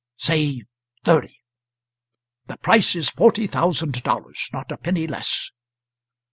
"Say thirty." "The price is forty thousand dollars; not a penny less."